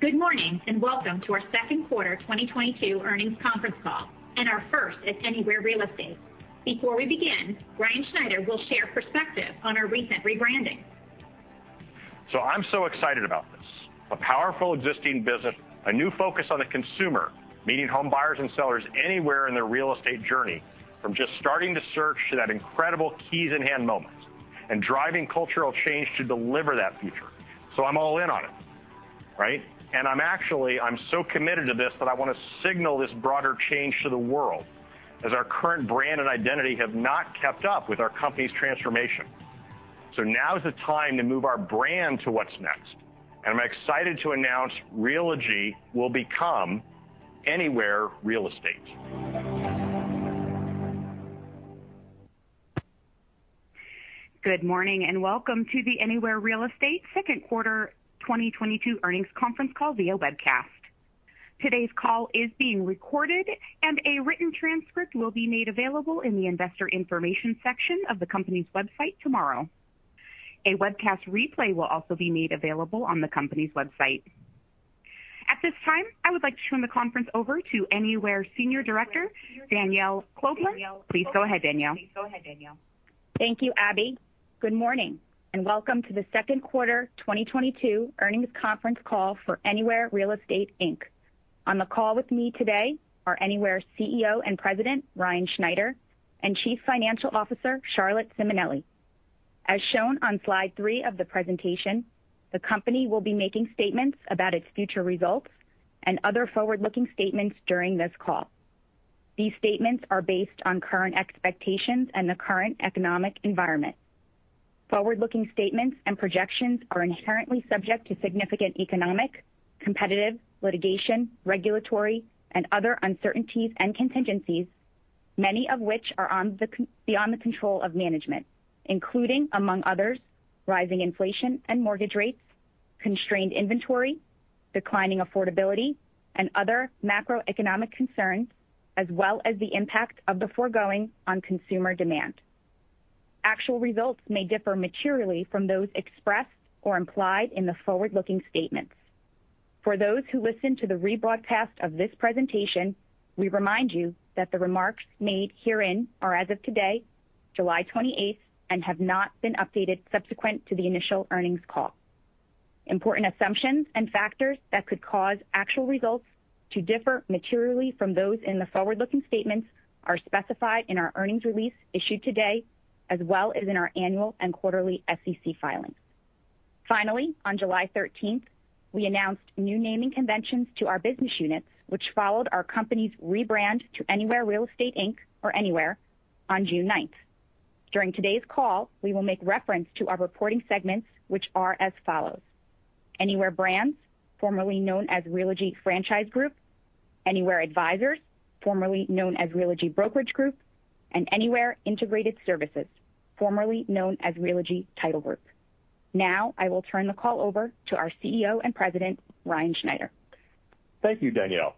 Good morning, and welcome to our second quarter 2022 earnings conference call and our first at Anywhere Real Estate. Before we begin, Ryan Schneider will share perspective on our recent rebranding. I'm so excited about this. A powerful existing business, a new focus on the consumer, meeting home buyers and sellers anywhere in their real estate journey from just starting the search to that incredible keys in hand moment, and driving cultural change to deliver that future. I'm all in on it, right? I'm actually so committed to this that I wanna signal this broader change to the world as our current brand and identity have not kept up with our company's transformation. Now is the time to move our brand to what's next. I'm excited to announce Realogy will become Anywhere Real Estate. Good morning, and welcome to the Anywhere Real Estate second quarter 2022 earnings conference call via webcast. Today's call is being recorded, and a written transcript will be made available in the investor information section of the company's website tomorrow. A webcast replay will also be made available on the company's website. At this time, I would like to turn the conference over to Anywhere Senior Director Danielle Cioffi. Please go ahead, Danielle. Thank you, Abby. Good morning, and welcome to the second quarter 2022 earnings conference call for Anywhere Real Estate Inc. On the call with me today are Anywhere CEO and President, Ryan Schneider, and Chief Financial Officer, Charlotte Simonelli. As shown on slide three of the presentation, the company will be making statements about its future results and other forward-looking statements during this call. These statements are based on current expectations and the current economic environment. Forward-looking statements and projections are inherently subject to significant economic, competitive, litigation, regulatory, and other uncertainties and contingencies, many of which are beyond the control of management, including, among others, rising inflation and mortgage rates, constrained inventory, declining affordability, and other macroeconomic concerns, as well as the impact of the foregoing on consumer demand. Actual results may differ materially from those expressed or implied in the forward-looking statements. For those who listen to the rebroadcast of this presentation, we remind you that the remarks made herein are as of today, July 28th, and have not been updated subsequent to the initial earnings call. Important assumptions and factors that could cause actual results to differ materially from those in the forward-looking statements are specified in our earnings release issued today, as well as in our annual and quarterly SEC filings. Finally, on July 13th, we announced new naming conventions to our business units, which followed our company's rebrand to Anywhere Real Estate Inc., or Anywhere, on June 9th. During today's call, we will make reference to our reporting segments, which are as follows. Anywhere Brands, formerly known as Realogy Franchise Group, Anywhere Advisors, formerly known as Realogy Brokerage Group, and Anywhere Integrated Services, formerly known as Realogy Title Group. Now, I will turn the call over to our CEO and President, Ryan Schneider. Thank you, Danielle.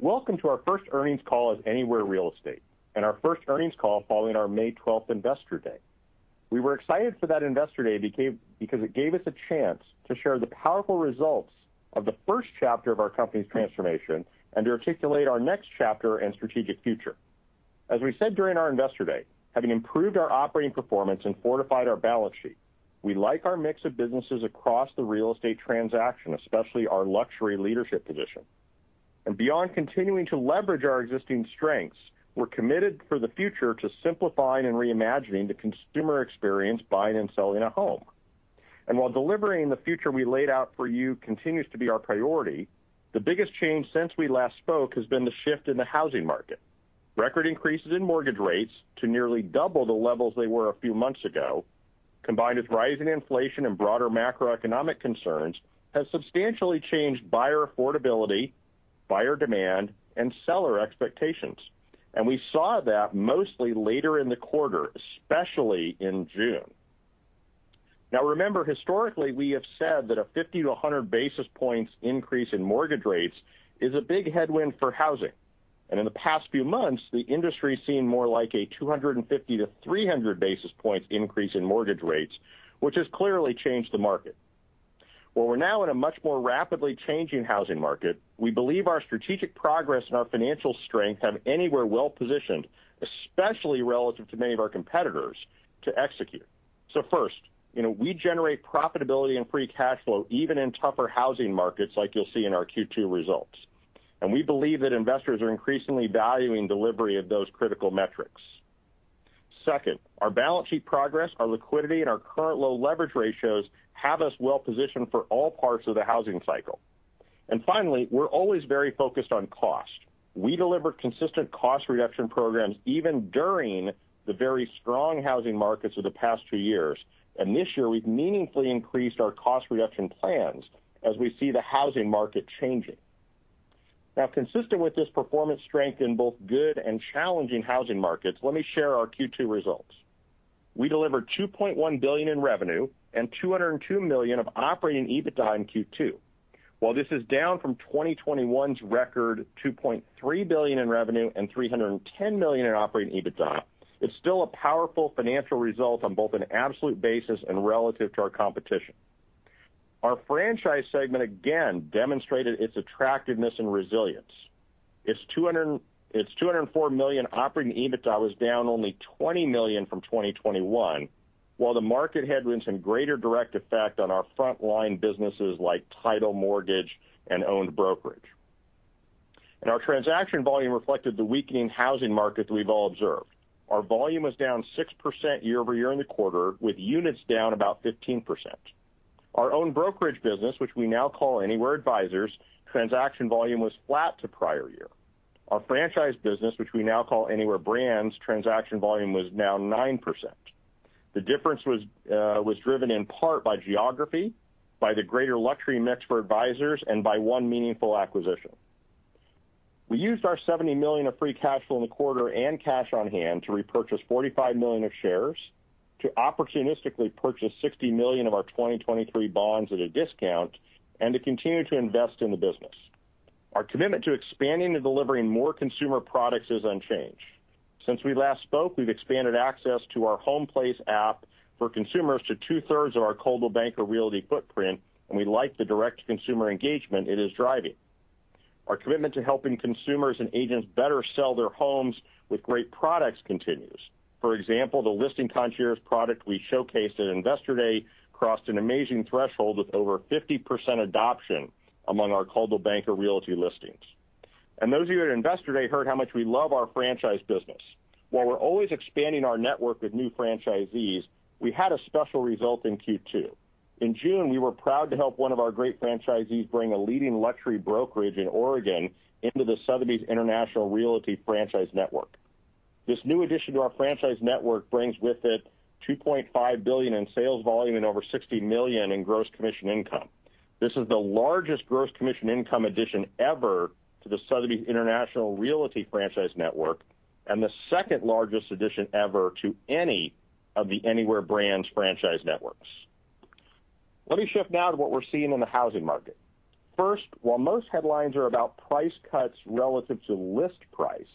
Welcome to our first earnings call as Anywhere Real Estate and our first earnings call following our May 12 Investor Day. We were excited for that Investor Day because it gave us a chance to share the powerful results of the first chapter of our company's transformation and to articulate our next chapter and strategic future. As we said during our Investor Day, having improved our operating performance and fortified our balance sheet, we like our mix of businesses across the real estate transaction, especially our luxury leadership position. Beyond continuing to leverage our existing strengths, we're committed for the future to simplifying and reimagining the consumer experience buying and selling a home. While delivering the future we laid out for you continues to be our priority, the biggest change since we last spoke has been the shift in the housing market. Record increases in mortgage rates to nearly double the levels they were a few months ago, combined with rising inflation and broader macroeconomic concerns, has substantially changed buyer affordability, buyer demand, and seller expectations. We saw that mostly later in the quarter, especially in June. Now remember, historically, we have said that a 50-100 basis points increase in mortgage rates is a big headwind for housing. In the past few months, the industry's seen more like a 250-300 basis points increase in mortgage rates, which has clearly changed the market. While we're now in a much more rapidly changing housing market, we believe our strategic progress and our financial strength have Anywhere well-positioned, especially relative to many of our competitors, to execute. First, you know, we generate profitability and free cash flow even in tougher housing markets like you'll see in our Q2 results. We believe that investors are increasingly valuing delivery of those critical metrics. Second, our balance sheet progress, our liquidity, and our current low leverage ratios have us well-positioned for all parts of the housing cycle. Finally, we're always very focused on cost. We deliver consistent cost reduction programs even during the very strong housing markets of the past two years. This year, we've meaningfully increased our cost reduction plans as we see the housing market changing. Now, consistent with this performance strength in both good and challenging housing markets, let me share our Q2 results. We delivered $2.1 billion in revenue and $202 million of operating EBITDA in Q2. While this is down from 2021's record $2.3 billion in revenue and $310 million in operating EBITDA, it's still a powerful financial result on both an absolute basis and relative to our competition. Our franchise segment again demonstrated its attractiveness and resilience. Its $204 million operating EBITDA was down only $20 million from 2021, while the market headwinds had greater direct effect on our frontline businesses like title, mortgage, and owned brokerage. Our transaction volume reflected the weakening housing market that we've all observed. Our volume was down 6% year-over-year in the quarter, with units down about 15%. Our own brokerage business, which we now call Anywhere Advisors, transaction volume was flat to prior year. Our franchise business, which we now call Anywhere Brands, transaction volume was down 9%. The difference was driven in part by geography, by the greater luxury mix for advisors, and by one meaningful acquisition. We used our $70 million of free cash flow in the quarter and cash on hand to repurchase $45 million of shares, to opportunistically purchase $60 million of our 2023 bonds at a discount, and to continue to invest in the business. Our commitment to expanding and delivering more consumer products is unchanged. Since we last spoke, we've expanded access to our HomePlace app for consumers to two-thirds of our Coldwell Banker Realty footprint, and we like the direct consumer engagement it is driving. Our commitment to helping consumers and agents better sell their homes with great products continues. For example, the Listing Concierge product we showcased at Investor Day crossed an amazing threshold with over 50% adoption among our Coldwell Banker Realty listings. Those of you at Investor Day heard how much we love our franchise business. While we're always expanding our network with new franchisees, we had a special result in Q2. In June, we were proud to help one of our great franchisees bring a leading luxury brokerage in Oregon into the Sotheby's International Realty franchise network. This new addition to our franchise network brings with it $2.5 billion in sales volume and over $60 million in gross commission income. This is the largest gross commission income addition ever to the Sotheby's International Realty franchise network and the second-largest addition ever to any of the Anywhere Brands franchise networks. Let me shift now to what we're seeing in the housing market. First, while most headlines are about price cuts relative to list price,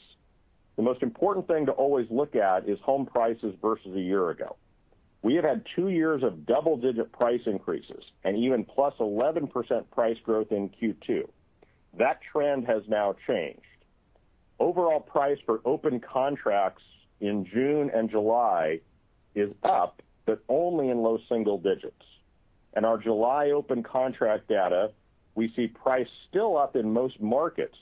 the most important thing to always look at is home prices versus a year ago. We have had two years of double-digit price increases and even +11% price growth in Q2. That trend has now changed. Overall price for open contracts in June and July is up, but only in low single digits. In our July open contract data, we see price still up in most markets,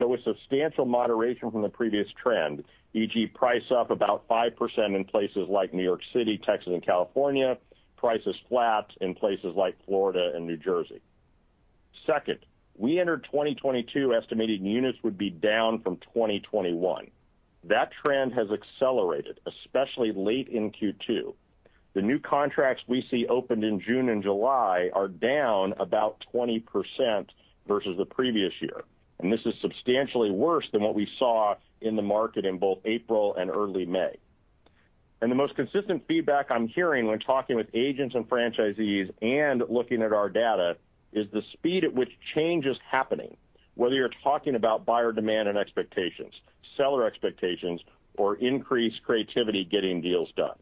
but with substantial moderation from the previous trend, e.g., price up about 5% in places like New York City, Texas, and California, prices flat in places like Florida and New Jersey. Second, we entered 2022 estimating units would be down from 2021. That trend has accelerated, especially late in Q2. The new contracts we see opened in June and July are down about 20% versus the previous year, and this is substantially worse than what we saw in the market in both April and early May. The most consistent feedback I'm hearing when talking with agents and franchisees and looking at our data is the speed at which change is happening, whether you're talking about buyer demand and expectations, seller expectations, or increased creativity getting deals done.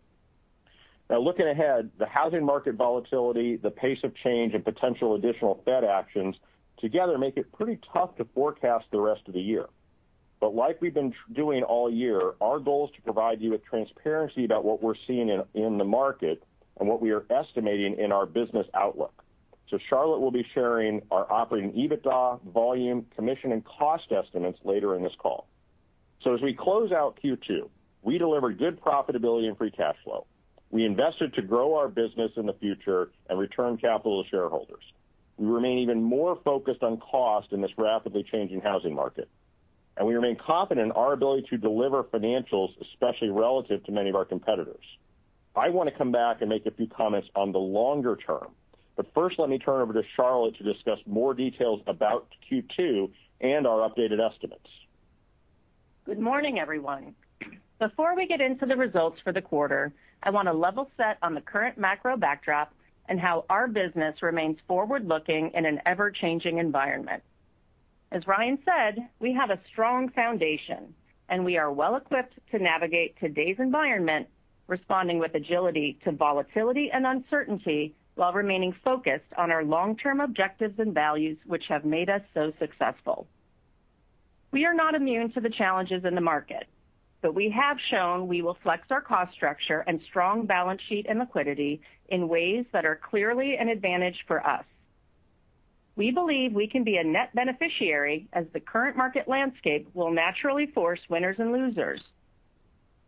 Now looking ahead, the housing market volatility, the pace of change, and potential additional Fed actions together make it pretty tough to forecast the rest of the year. Like we've been doing all year, our goal is to provide you with transparency about what we're seeing in the market and what we are estimating in our business outlook. Charlotte will be sharing our operating EBITDA, volume, commission, and cost estimates later in this call. As we close out Q2, we delivered good profitability and free cash flow. We invested to grow our business in the future and return capital to shareholders. We remain even more focused on cost in this rapidly changing housing market, and we remain confident in our ability to deliver financials, especially relative to many of our competitors. I want to come back and make a few comments on the longer term, but first, let me turn over to Charlotte to discuss more details about Q2 and our updated estimates. Good morning, everyone. Before we get into the results for the quarter, I want to level set on the current macro backdrop and how our business remains forward-looking in an ever-changing environment. As Ryan said, we have a strong foundation, and we are well equipped to navigate today's environment, responding with agility to volatility and uncertainty while remaining focused on our long-term objectives and values, which have made us so successful. We are not immune to the challenges in the market, but we have shown we will flex our cost structure and strong balance sheet and liquidity in ways that are clearly an advantage for us. We believe we can be a net beneficiary as the current market landscape will naturally force winners and losers.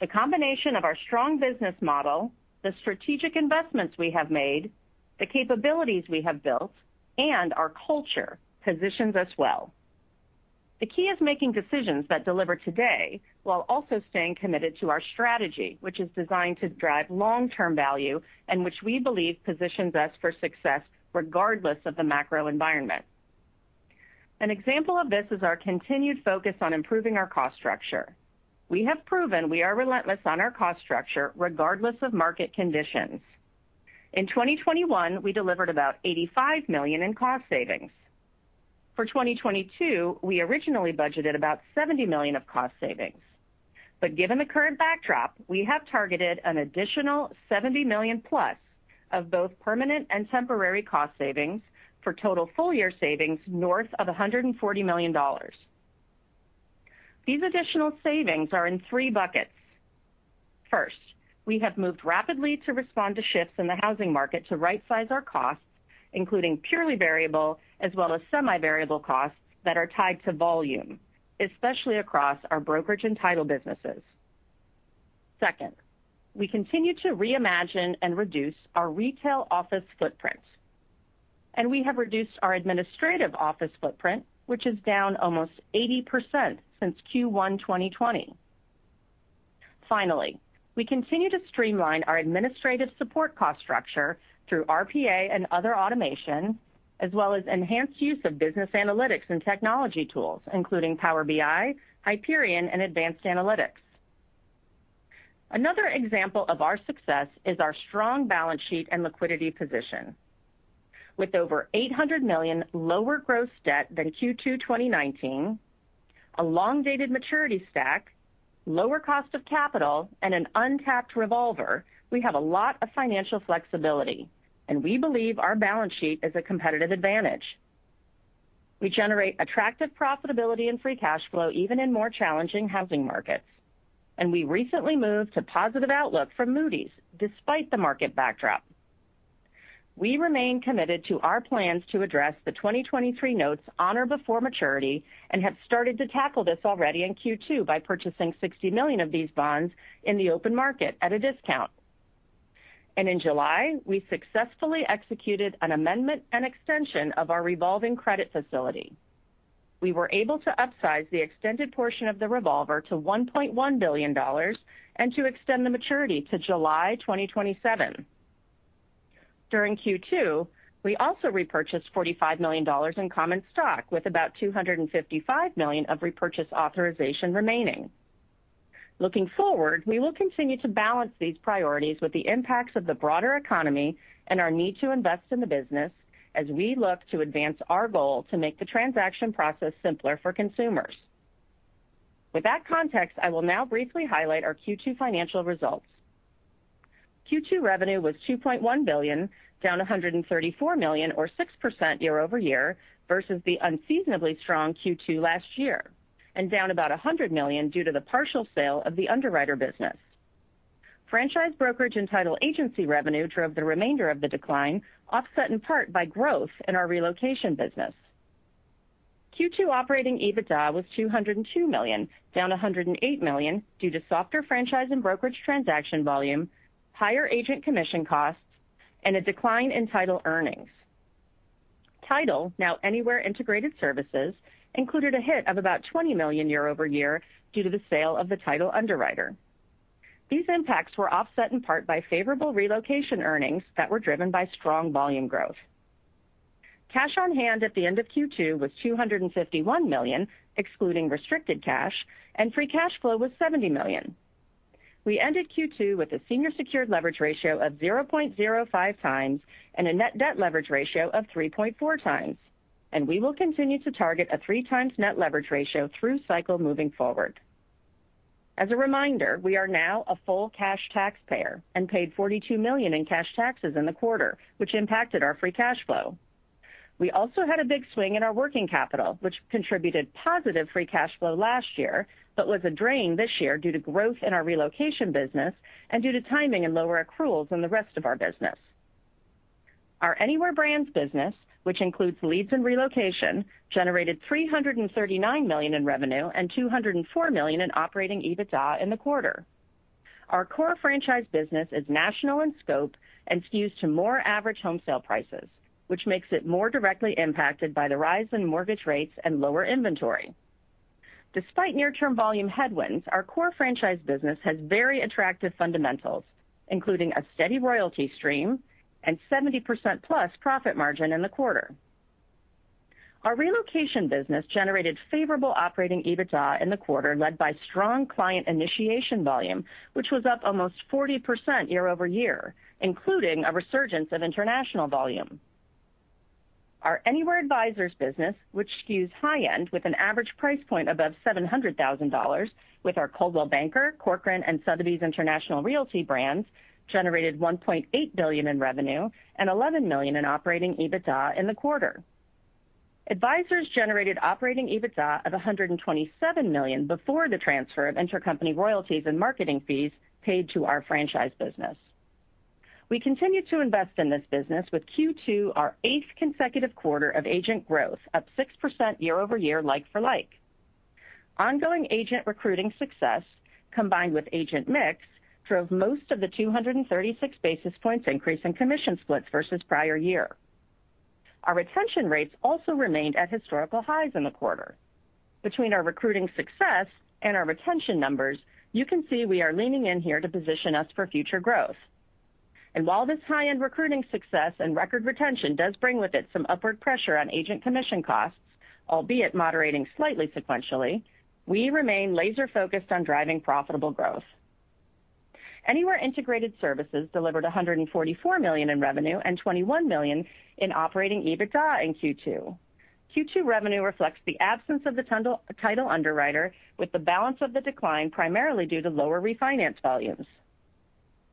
The combination of our strong business model, the strategic investments we have made, the capabilities we have built, and our culture positions us well. The key is making decisions that deliver today while also staying committed to our strategy, which is designed to drive long-term value and which we believe positions us for success regardless of the macro environment. An example of this is our continued focus on improving our cost structure. We have proven we are relentless on our cost structure regardless of market conditions. In 2021, we delivered about $85 million in cost savings. For 2022, we originally budgeted about $70 million of cost savings. Given the current backdrop, we have targeted an additional $70 million-plus of both permanent and temporary cost savings for total full-year savings north of $140 million. These additional savings are in three buckets. First, we have moved rapidly to respond to shifts in the housing market to rightsize our costs, including purely variable as well as semi-variable costs that are tied to volume, especially across our brokerage and title businesses. Second, we continue to reimagine and reduce our retail office footprint, and we have reduced our administrative office footprint, which is down almost 80% since Q1 2020. Finally, we continue to streamline our administrative support cost structure through RPA and other automation, as well as enhanced use of business analytics and technology tools, including Power BI, Hyperion, and Advanced Analytics. Another example of our success is our strong balance sheet and liquidity position. With over $800 million lower gross debt than Q2 2019, a long-dated maturity stack, lower cost of capital, and an untapped revolver, we have a lot of financial flexibility, and we believe our balance sheet is a competitive advantage. We generate attractive profitability and free cash flow even in more challenging housing markets. We recently moved to positive outlook from Moody's, despite the market backdrop. We remain committed to our plans to address the 2023 notes on or before maturity and have started to tackle this already in Q2 by purchasing $60 million of these bonds in the open market at a discount. In July, we successfully executed an amendment and extension of our revolving credit facility. We were able to upsize the extended portion of the revolver to $1.1 billion and to extend the maturity to July 2027. During Q2, we also repurchased $45 million in common stock, with about $255 million of repurchase authorization remaining. Looking forward, we will continue to balance these priorities with the impacts of the broader economy and our need to invest in the business as we look to advance our goal to make the transaction process simpler for consumers. With that context, I will now briefly highlight our Q2 financial results. Q2 revenue was $2.1 billion, down $134 million or 6% year-over-year versus the unseasonably strong Q2 last year, and down about $100 million due to the partial sale of the underwriter business. Franchise brokerage and title agency revenue drove the remainder of the decline, offset in part by growth in our relocation business. Q2 operating EBITDA was $202 million, down $108 million due to softer franchise and brokerage transaction volume, higher agent commission costs, and a decline in title earnings. Title, now Anywhere Integrated Services, included a hit of about $20 million year-over-year due to the sale of the title underwriter. These impacts were offset in part by favorable relocation earnings that were driven by strong volume growth. Cash on hand at the end of Q2 was $251 million, excluding restricted cash, and free cash flow was $70 million. We ended Q2 with a senior secured leverage ratio of 0.05 times and a net debt leverage ratio of 3.4 times, and we will continue to target a three times net leverage ratio through cycle moving forward. As a reminder, we are now a full cash taxpayer and paid $42 million in cash taxes in the quarter, which impacted our free cash flow. We also had a big swing in our working capital, which contributed positive free cash flow last year, but was a drain this year due to growth in our relocation business and due to timing and lower accruals in the rest of our business. Our Anywhere Brands business, which includes leads and relocation, generated $339 million in revenue and $204 million in operating EBITDA in the quarter. Our core franchise business is national in scope and skews to more average home sale prices, which makes it more directly impacted by the rise in mortgage rates and lower inventory. Despite near-term volume headwinds, our core franchise business has very attractive fundamentals, including a steady royalty stream and 70% plus profit margin in the quarter. Our relocation business generated favorable operating EBITDA in the quarter, led by strong client initiation volume, which was up almost 40% year-over-year, including a resurgence of international volume. Our Anywhere Advisors business, which skews high-end with an average price point above $700,000 with our Coldwell Banker, Corcoran, and Sotheby's International Realty brands, generated $1.8 billion in revenue and $11 million in operating EBITDA in the quarter. Advisors generated operating EBITDA of $127 million before the transfer of intercompany royalties and marketing fees paid to our franchise business. We continue to invest in this business with Q2, our eighth consecutive quarter of agent growth, up 6% year-over-year like for like. Ongoing agent recruiting success, combined with agent mix, drove most of the 236 basis points increase in commission splits versus prior year. Our retention rates also remained at historical highs in the quarter. Between our recruiting success and our retention numbers, you can see we are leaning in here to position us for future growth. While this high-end recruiting success and record retention does bring with it some upward pressure on agent commission costs, albeit moderating slightly sequentially, we remain laser-focused on driving profitable growth. Anywhere Integrated Services delivered $144 million in revenue and $21 million in operating EBITDA in Q2. Q2 revenue reflects the absence of the title underwriter, with the balance of the decline primarily due to lower refinance volumes.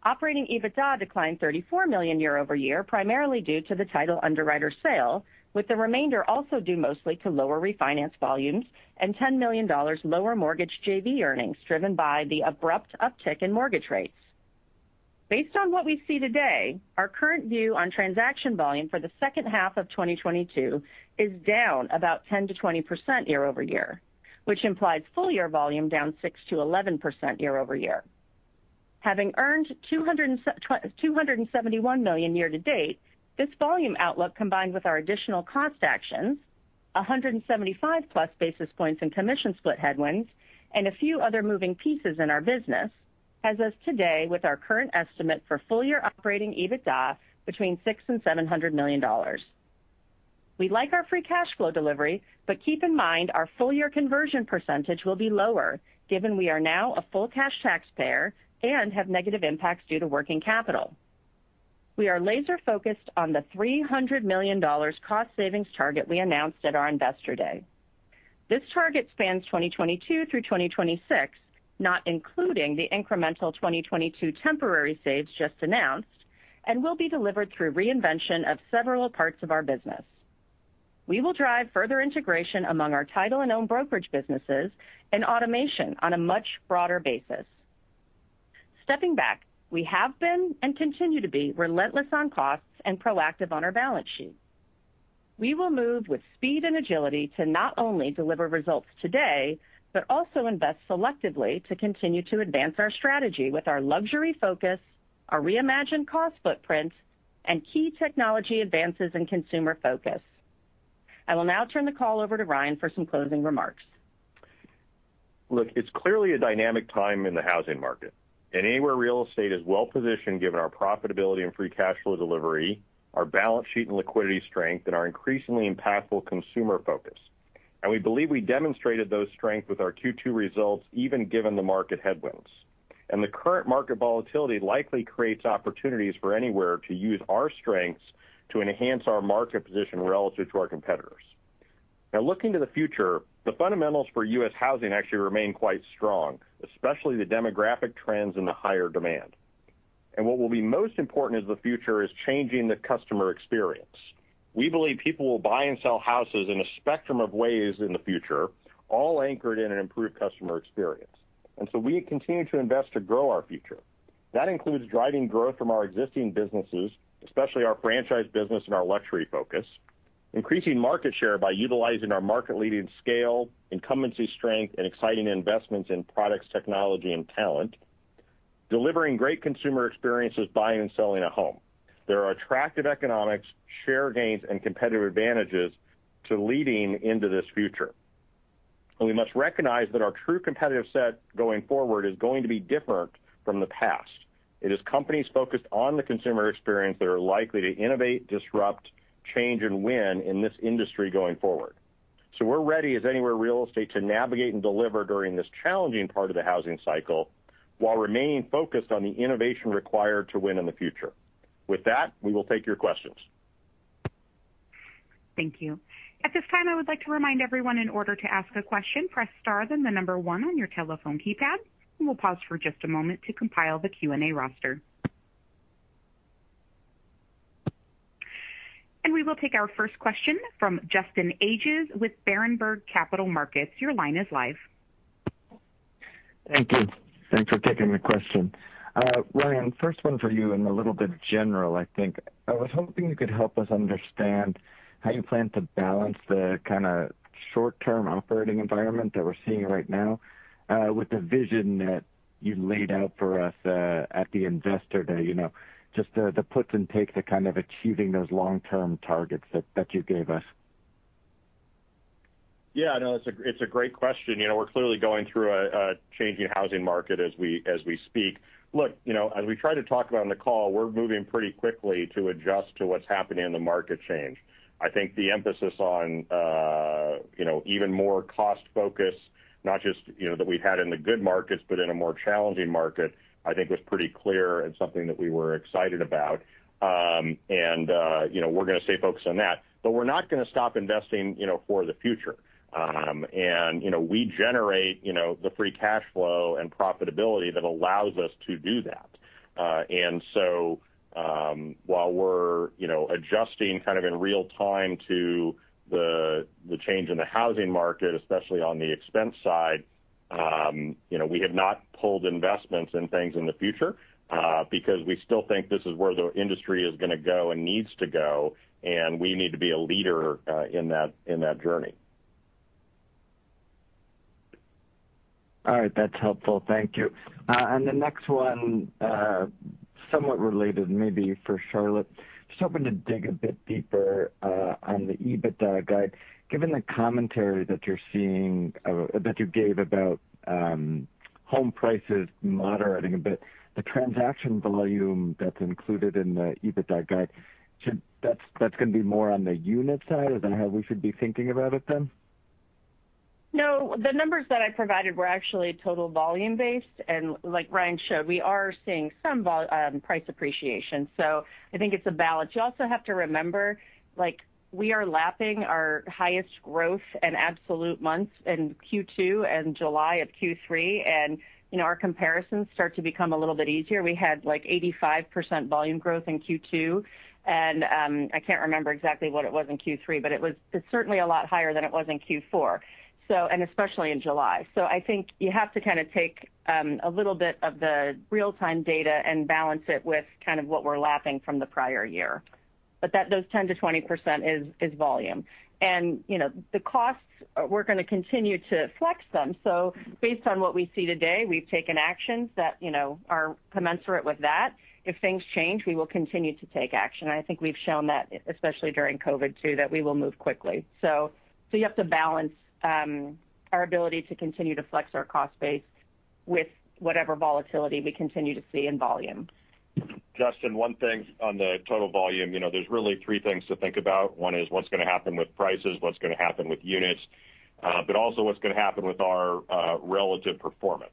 Operating EBITDA declined $34 million year-over-year, primarily due to the title underwriter sale, with the remainder also due mostly to lower refinance volumes and $10 million lower mortgage JV earnings, driven by the abrupt uptick in mortgage rates. Based on what we see today, our current view on transaction volume for the second half of 2022 is down about 10%-20% year-over-year, which implies full year volume down 6%-11% year-over-year. Having earned $271 million year to date, this volume outlook, combined with our additional cost actions, 175+ basis points in commission split headwinds, and a few other moving pieces in our business, has us today with our current estimate for full year operating EBITDA between $600 million and $700 million. We like our free cash flow delivery, but keep in mind our full year conversion percentage will be lower given we are now a full cash taxpayer and have negative impacts due to working capital. We are laser-focused on the $300 million cost savings target we announced at our Investor Day. This target spans 2022 through 2026, not including the incremental 2022 temporary saves just announced, and will be delivered through reinvention of several parts of our business. We will drive further integration among our title and owned brokerage businesses and automation on a much broader basis. Stepping back, we have been and continue to be relentless on costs and proactive on our balance sheet. We will move with speed and agility to not only deliver results today, but also invest selectively to continue to advance our strategy with our luxury focus, our reimagined cost footprint, and key technology advances and consumer focus. I will now turn the call over to Ryan for some closing remarks. Look, it's clearly a dynamic time in the housing market. Anywhere Real Estate is well positioned given our profitability and free cash flow delivery, our balance sheet and liquidity strength, and our increasingly impactful consumer focus. We believe we demonstrated those strengths with our Q2 results, even given the market headwinds. The current market volatility likely creates opportunities for Anywhere to use our strengths to enhance our market position relative to our competitors. Now looking to the future, the fundamentals for U.S. housing actually remain quite strong, especially the demographic trends and the higher demand. What will be most important as the future is changing the customer experience. We believe people will buy and sell houses in a spectrum of ways in the future, all anchored in an improved customer experience. We continue to invest to grow our future. That includes driving growth from our existing businesses, especially our franchise business and our luxury focus. Increasing market share by utilizing our market-leading scale, incumbency strength, and exciting investments in products, technology, and talent. Delivering great consumer experiences buying and selling a home. There are attractive economics, share gains, and competitive advantages to leading into this future. We must recognize that our true competitive set going forward is going to be different from the past. It is companies focused on the consumer experience that are likely to innovate, disrupt, change, and win in this industry going forward. We're ready as Anywhere Real Estate to navigate and deliver during this challenging part of the housing cycle while remaining focused on the innovation required to win in the future. With that, we will take your questions. Thank you. At this time, I would like to remind everyone in order to ask a question, press star, then the number one on your telephone keypad. We'll pause for just a moment to compile the Q&A roster. We will take our first question from Justin Ages with Berenberg Capital Markets. Your line is live. Thank you. Thanks for taking the question. Ryan, first one for you and a little bit general, I think. I was hoping you could help us understand how you plan to balance the kind of short-term operating environment that we're seeing right now with the vision that you laid out for us at the Investor Day. You know, just the puts and takes to kind of achieving those long-term targets that you gave us. Yeah, no, it's a great question. You know, we're clearly going through a changing housing market as we speak. Look, you know, as we try to talk about on the call, we're moving pretty quickly to adjust to what's happening in the market change. I think the emphasis on, you know, even more cost focus, not just, you know, that we've had in the good markets, but in a more challenging market, I think was pretty clear and something that we were excited about. You know, we're gonna stay focused on that. We're not gonna stop investing, you know, for the future. You know, we generate, you know, the free cash flow and profitability that allows us to do that. While we're, you know, adjusting kind of in real time to the change in the housing market, especially on the expense side, you know, we have not pulled investments in things in the future, because we still think this is where the industry is gonna go and needs to go, and we need to be a leader in that journey. All right. That's helpful. Thank you. The next one, somewhat related maybe for Charlotte. Just hoping to dig a bit deeper on the EBITDA guide. Given the commentary that you gave about home prices moderating a bit, the transaction volume that's included in the EBITDA guide, that's gonna be more on the unit side? Is that how we should be thinking about it then? No. The numbers that I provided were actually total volume-based, and like Ryan showed, we are seeing some volume, price appreciation. I think it's a balance. You also have to remember, like, we are lapping our highest growth and absolute months in Q2 and July of Q3, and, you know, our comparisons start to become a little bit easier. We had, like, 85% volume growth in Q2. I can't remember exactly what it was in Q3, but it was certainly a lot higher than it was in Q4, and especially in July. I think you have to kind of take a little bit of the real-time data and balance it with kind of what we're lapping from the prior year. Those 10%-20% is volume. And, you know, the costs, we're gonna continue to flex them. Based on what we see today, we've taken actions that, you know, are commensurate with that. If things change, we will continue to take action. I think we've shown that, especially during COVID too, that we will move quickly. You have to balance our ability to continue to flex our cost base with whatever volatility we continue to see in volume. Justin, one thing on the total volume. You know, there's really three things to think about. One is what's gonna happen with prices, what's gonna happen with units, but also what's gonna happen with our relative performance,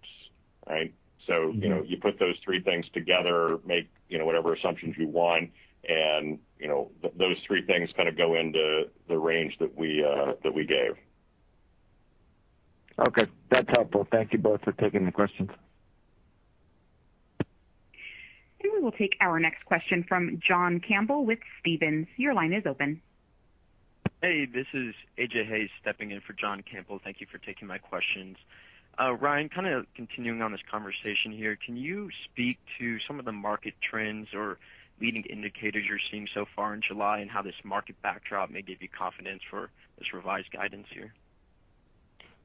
right? Mm-hmm. You know, you put those three things together, make whatever assumptions you want, and you know, those three things kind of go into the range that we gave. Okay. That's helpful. Thank you both for taking the questions. We will take our next question from John Campbell with Stephens. Your line is open. Hey, this is A.J. Hayes stepping in for John Campbell. Thank you for taking my questions. Ryan, kind of continuing on this conversation here, can you speak to some of the market trends or leading indicators you're seeing so far in July and how this market backdrop may give you confidence for this revised guidance here?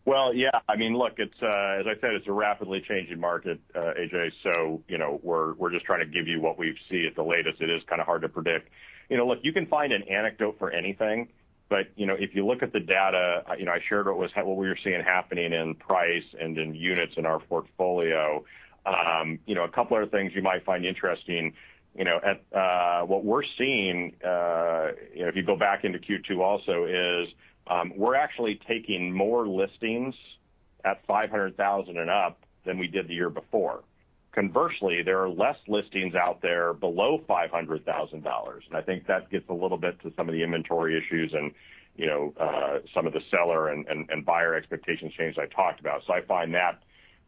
Well, yeah. I mean, look, it's as I said, it's a rapidly changing market, A.J. You know, we're just trying to give you what we see at the latest. It is kind of hard to predict. You know, look, you can find an anecdote for anything, but you know, if you look at the data, you know, I shared what we were seeing happening in price and in units in our portfolio. You know, a couple other things you might find interesting, you know, what we're seeing, you know, if you go back into Q2 also, is we're actually taking more listings at $500,000 and up than we did the year before. Conversely, there are less listings out there below $500,000, and I think that gets a little bit to some of the inventory issues and, you know, some of the seller and buyer expectations change I talked about. I find that,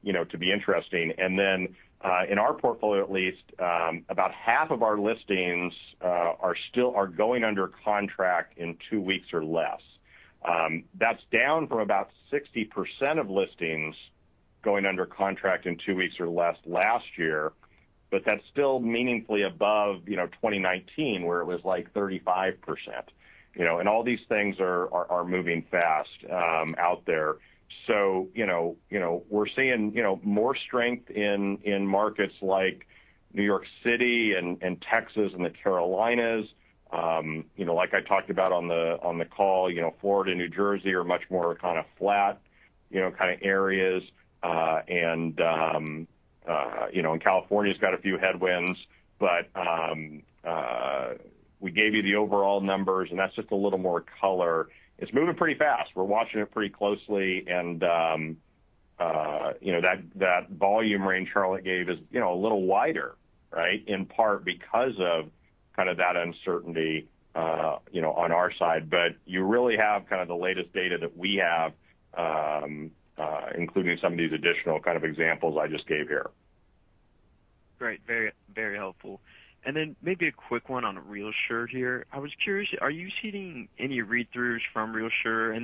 you know, to be interesting. In our portfolio at least, about half of our listings are going under contract in two weeks or less. That's down from about 60% of listings going under contract in two weeks or less last year, but that's still meaningfully above, you know, 2019, where it was, like, 35%. You know, all these things are moving fast out there. You know, we're seeing, you know, more strength in markets like New York City and Texas and the Carolinas. You know, like I talked about on the call, you know, Florida, New Jersey are much more kind of flat, you know, kind of areas. California's got a few headwinds, but we gave you the overall numbers, and that's just a little more color. It's moving pretty fast. We're watching it pretty closely and that volume range Charlotte gave is a little wider, right? In part because of kind of that uncertainty on our side. You really have kind of the latest data that we have, including some of these additional kind of examples I just gave here. Great. Very, very helpful. Maybe a quick one on RealSure here. I was curious, are you seeing any read-throughs from RealSure?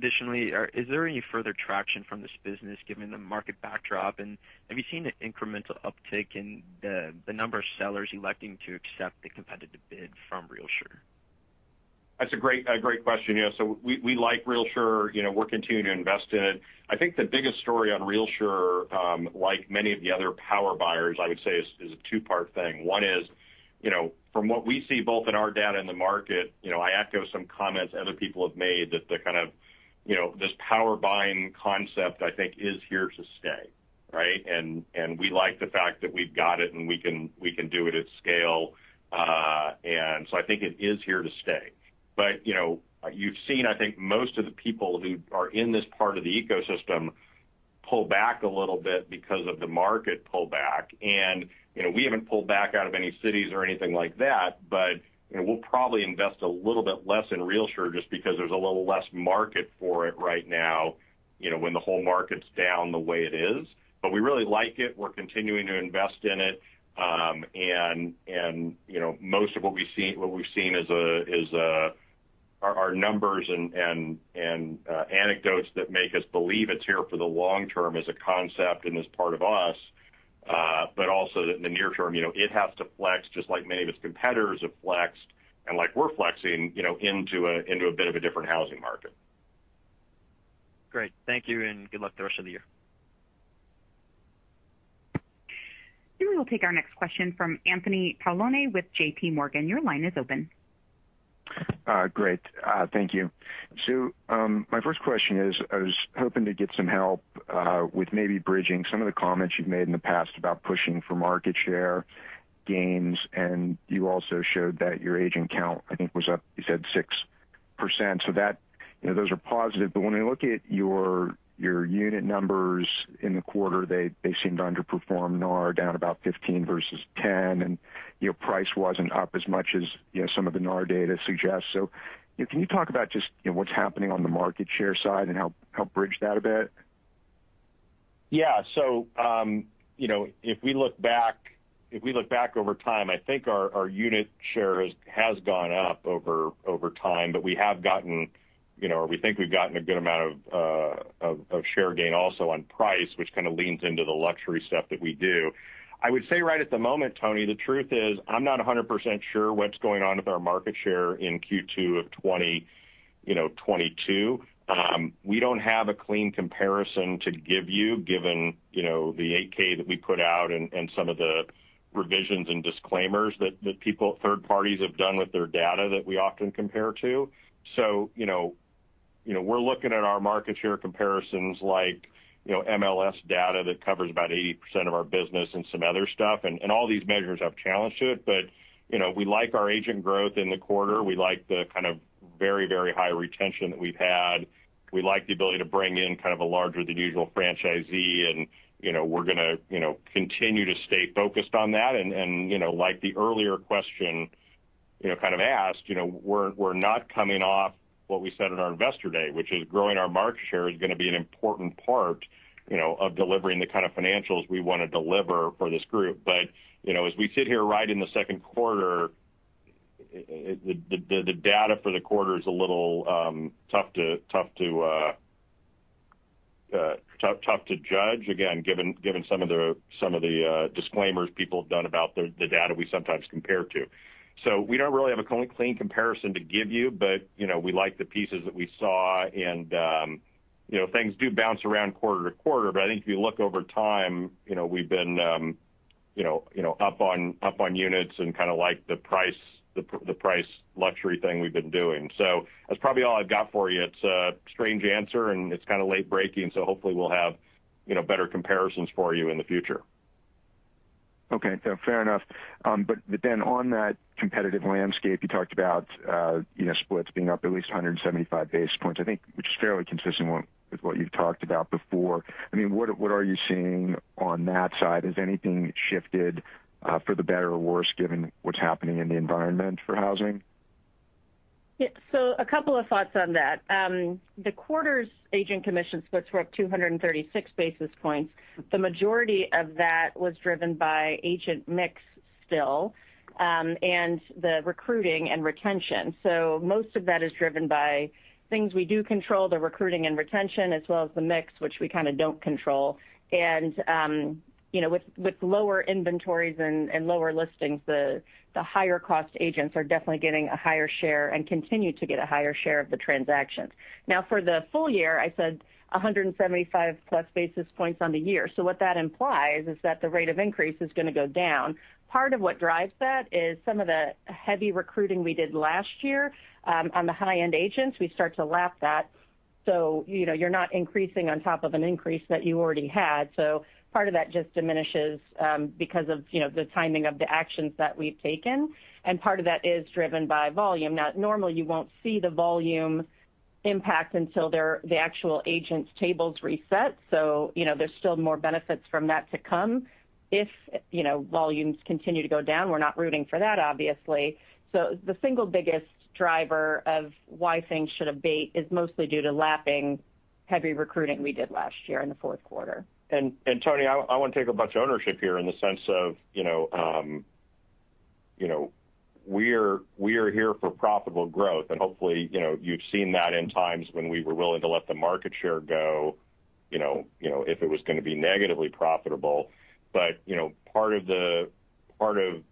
Is there any further traction from this business given the market backdrop? Have you seen an incremental uptick in the number of sellers electing to accept the competitive bid from RealSure? That's a great question. Yeah. We like RealSure. You know, we're continuing to invest in it. I think the biggest story on RealSure, like many of the other power buyers, I would say is a two-part thing. One is, you know, from what we see both in our data and the market, you know, I echo some comments other people have made that the kind of, you know, this power buying concept I think is here to stay, right? We like the fact that we've got it and we can do it at scale. I think it is here to stay. You know, you've seen, I think, most of the people who are in this part of the ecosystem pull back a little bit because of the market pullback. You know, we haven't pulled back out of any cities or anything like that, but, you know, we'll probably invest a little bit less in RealSure just because there's a little less market for it right now, you know, when the whole market's down the way it is. But we really like it. We're continuing to invest in it. You know, most of what we've seen is our numbers and anecdotes that make us believe it's here for the long term as a concept and as part of us. But also that in the near term, you know, it has to flex just like many of its competitors have flexed. Like we're flexing, you know, into a bit of a different housing market. Great. Thank you, and good luck the rest of the year. We will take our next question from Anthony Paolone with JPMorgan. Your line is open. Great. Thank you. My first question is, I was hoping to get some help with maybe bridging some of the comments you've made in the past about pushing for market share gains, and you also showed that your agent count, I think, was up, you said 6%. Those, you know, are positive. When I look at your unit numbers in the quarter, they seem to underperform NAR down about 15% versus 10%. Your price wasn't up as much as, you know, some of the NAR data suggests. Can you talk about just, you know, what's happening on the market share side and help bridge that a bit? Yeah. You know, if we look back over time, I think our unit share has gone up over time. We have gotten, you know, or we think we've gotten a good amount of share gain also on price, which kind of leans into the luxury stuff that we do. I would say right at the moment, Tony, the truth is, I'm not 100% sure what's going on with our market share in Q2 of 2022. We don't have a clean comparison to give you, given, you know, the 8-K that we put out and some of the revisions and disclaimers that third parties have done with their data that we often compare to. You know, we're looking at our market share comparisons like, you know, MLS data that covers about 80% of our business and some other stuff. All these measures have challenge to it. You know, we like our agent growth in the quarter. We like the kind of very, very high retention that we've had. We like the ability to bring in kind of a larger than usual franchisee and, you know, we're gonna, you know, continue to stay focused on that. You know, like the earlier question, you know, kind of asked, you know, we're not coming off what we said in our Investor Day, which is growing our market share is gonna be an important part, you know, of delivering the kind of financials we wanna deliver for this group. You know, as we sit here right in the second quarter, the data for the quarter is a little tough to judge, again, given some of the disclaimers people have done about the data we sometimes compare to. We don't really have a clean comparison to give you, but you know, we like the pieces that we saw. You know, up on units and kinda like the price luxury thing we've been doing. That's probably all I've got for you. It's a strange answer, and it's kinda late breaking, so hopefully we'll have, you know, better comparisons for you in the future. Okay, fair enough. On that competitive landscape, you talked about, you know, splits being up at least 175 basis points, I think, which is fairly consistent with what you've talked about before. I mean, what are you seeing on that side? Has anything shifted, for the better or worse given what's happening in the environment for housing? Yeah. A couple of thoughts on that. The quarter's agent commission splits were up 236 basis points. The majority of that was driven by agent mix still, and the recruiting and retention. Most of that is driven by things we do control, the recruiting and retention, as well as the mix, which we kinda don't control. You know, with lower inventories and lower listings, the higher cost agents are definitely getting a higher share and continue to get a higher share of the transactions. Now, for the full year, I said 175+ basis points on the year. What that implies is that the rate of increase is gonna go down. Part of what drives that is some of the heavy recruiting we did last year, on the high-end agents. We start to lap that. You know, you're not increasing on top of an increase that you already had. Part of that just diminishes because of, you know, the timing of the actions that we've taken, and part of that is driven by volume. Now, normally, you won't see the volume impact until the actual agents tables reset, so, you know, there's still more benefits from that to come if, you know, volumes continue to go down. We're not rooting for that, obviously. The single biggest driver of why things should abate is mostly due to lapping heavy recruiting we did last year in the fourth quarter. Tony, I wanna take a bunch of ownership here in the sense of, you know, you know, we are here for profitable growth, and hopefully, you know, you've seen that in times when we were willing to let the market share go, you know, you know, if it was gonna be negatively profitable. But, you know, part of, you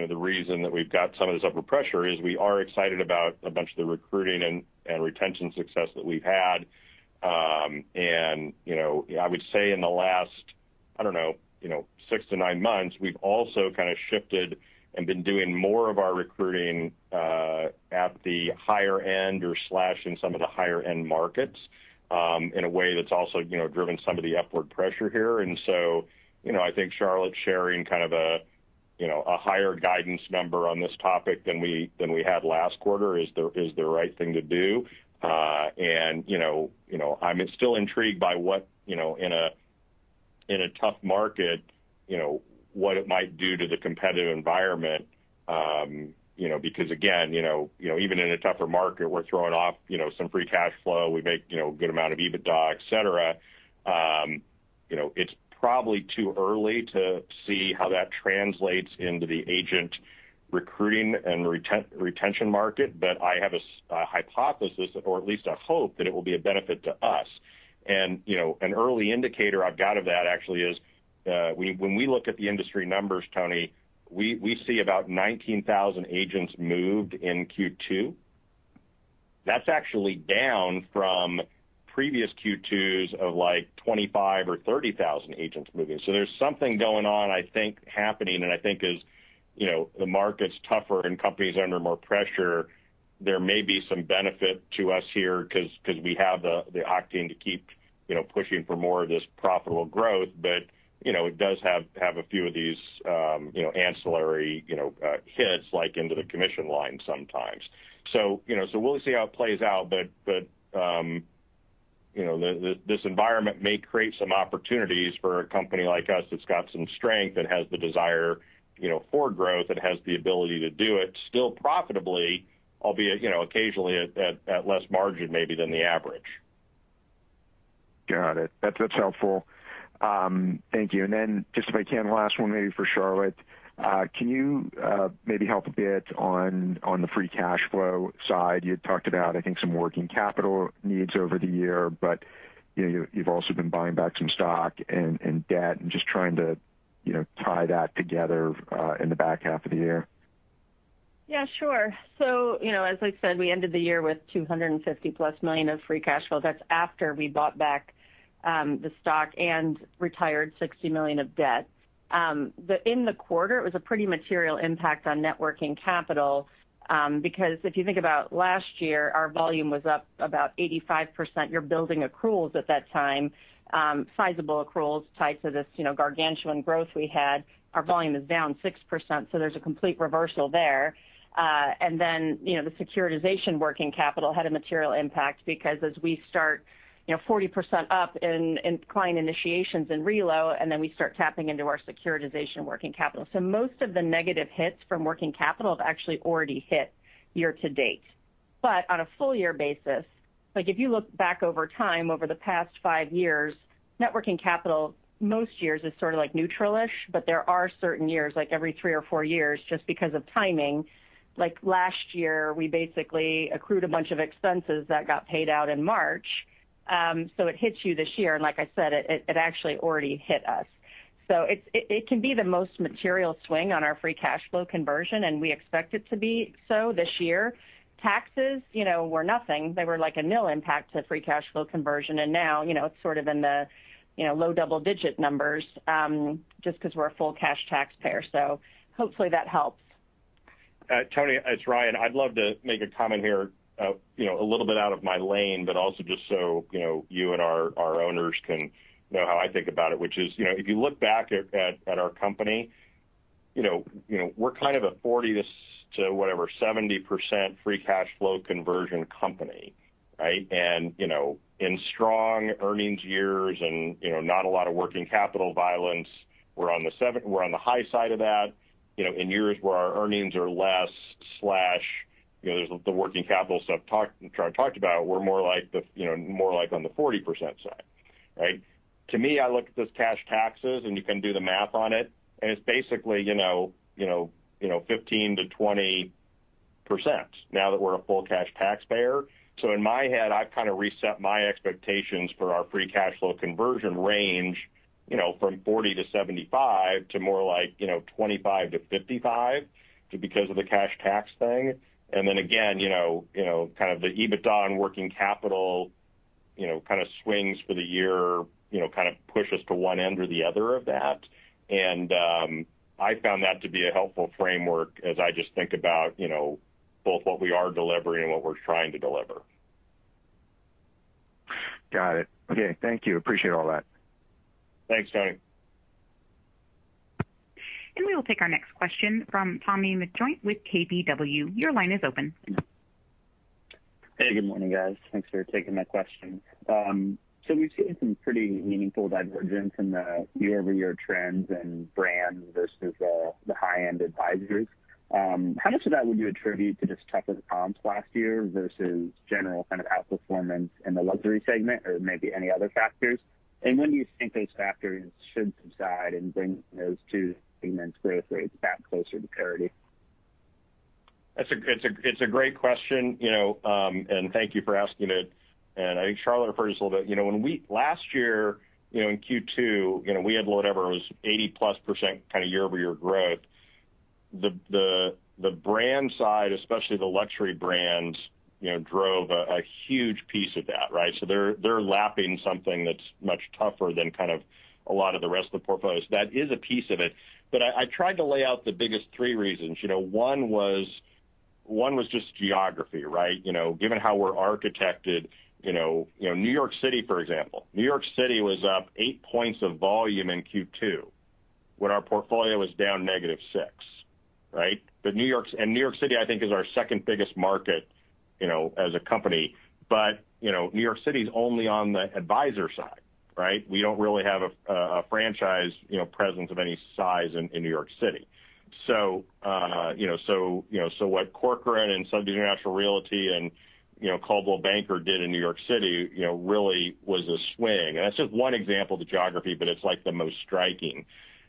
know, the reason that we've got some of this upward pressure is we are excited about a bunch of the recruiting and retention success that we've had. You know, I would say in the last, I don't know, you know, six to nine months, we've also kinda shifted and been doing more of our recruiting at the higher end or slash in some of the higher-end markets in a way that's also, you know, driven some of the upward pressure here. You know, I think Charlotte sharing kind of a, you know, a higher guidance number on this topic than we had last quarter is the right thing to do. You know, I'm still intrigued by what, you know, in a tough market, you know, what it might do to the competitive environment. You know, because again, you know, even in a tougher market, we're throwing off, you know, some free cash flow. We make, you know, a good amount of EBITDA, et cetera. You know, it's probably too early to see how that translates into the agent recruiting and retention market, but I have a hypothesis or at least a hope that it will be a benefit to us. You know, an early indicator I've got of that actually is, when we look at the industry numbers, Tony, we see about 19,000 agents moved in Q2. That's actually down from previous Q2s of, like, 25 or 30,000 agents moving. There's something going on, I think, happening, and I think as, you know, the market's tougher and companies are under more pressure, there may be some benefit to us here 'cause we have the octane to keep, you know, pushing for more of this profitable growth. You know, it does have a few of these, you know, ancillary, you know, hits, like into the commission line sometimes. You know, so we'll see how it plays out. You know, this environment may create some opportunities for a company like us that's got some strength and has the desire, you know, for growth and has the ability to do it still profitably, albeit, you know, occasionally at less margin maybe than the average. Got it. That's helpful. Thank you. Just if I can, last one maybe for Charlotte. Can you maybe help a bit on the free cash flow side? You had talked about, I think, some working capital needs over the year, but you know, you've also been buying back some stock and debt and just trying to you know, tie that together in the back half of the year. Yeah, sure. You know, as I said, we ended the year with $250+ million of free cash flow. That's after we bought back the stock and retired $60 million of debt. In the quarter, it was a pretty material impact on net working capital because if you think about last year, our volume was up about 85%. You're building accruals at that time, sizable accruals tied to this, you know, gargantuan growth we had. Our volume is down 6%, so there's a complete reversal there. And then, you know, the securitization working capital had a material impact because as we start, you know, 40% up in client initiations and reload, and then we start tapping into our securitization working capital. So most of the negative hits from working capital have actually already hit year to date. On a full year basis, like, if you look back over time, over the past five years, net working capital most years is sort of like neutral-ish, but there are certain years, like every three or four years, just because of timing. Like last year, we basically accrued a bunch of expenses that got paid out in March, so it hits you this year. Like I said, it actually already hit us. It can be the most material swing on our free cash flow conversion, and we expect it to be so this year. Taxes, you know, were nothing. They were like a nil impact to free cash flow conversion. Now, you know, it's sort of in the, you know, low double-digit numbers, just 'cause we're a full cash taxpayer. Hopefully that helps. Tony, it's Ryan. I'd love to make a comment here, you know, a little bit out of my lane, but also just so, you know, you and our owners can know how I think about it, which is, you know, if you look back at our company, you know, we're kind of a 40%-70% free cash flow conversion company, right? You know, in strong earnings years and, you know, not a lot of working capital volatility, we're on the high side of that. You know, in years where our earnings are less slash, you know, there's the working capital stuff Charlotte talked about, we're more like the, you know, more like on the 40% side, right? To me, I look at those cash taxes and you can do the math on it, and it's basically, you know, 15%-20% now that we're a full cash taxpayer. In my head, I've kind of reset my expectations for our free cash flow conversion range, you know, from 40-75 to more like, you know, 25-55 because of the cash tax thing. Then again, you know, kind of the EBITDA and working capital, you know, kind of swings for the year, you know, kind of push us to one end or the other of that. I found that to be a helpful framework as I just think about, you know, both what we are delivering and what we're trying to deliver. Got it. Okay. Thank you. Appreciate all that. Thanks, Tony. We will take our next question from Tommy McJoynt with KBW. Your line is open. Hey, good morning, guys. Thanks for taking my question. We've seen some pretty meaningful divergence in the year-over-year trends in brand versus the high-end advisors. How much of that would you attribute to just tougher comps last year versus general kind of outperformance in the luxury segment or maybe any other factors? When do you think those factors should subside and bring those two segments' growth rates back closer to parity? That's a great question, you know, and thank you for asking it. I think Charlotte referred to this a little bit. You know, last year, you know, in Q2, you know, we had whatever it was, 80%+ kind of year-over-year growth. The brand side, especially the luxury brands, you know, drove a huge piece of that, right? So they're lapping something that's much tougher than kind of a lot of the rest of the portfolios. That is a piece of it. But I tried to lay out the biggest three reasons. You know, one was just geography, right? You know, given how we're architected, you know. You know, New York City, for example. New York City was up eight points of volume in Q2 when our portfolio was down -6, right? New York and New York City, I think, is our second biggest market, you know, as a company. New York City's only on the advisor side. Right? We don't really have a franchise, you know, presence of any size in New York City. What Corcoran and Sotheby's International Realty and, you know, Coldwell Banker did in New York City, you know, really was a swing. That's just one example of the geography, but it's, like, the most striking.